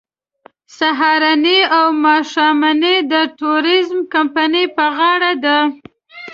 سهارنۍ او ماښامنۍ د ټوریزم کمپنۍ په غاړه ده.